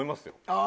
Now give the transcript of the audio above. ああ！